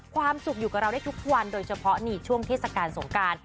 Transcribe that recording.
ความสุขอยู่กับเราได้ทุกวันโดยเฉพาะนี่ช่วงเทศกาลสงการ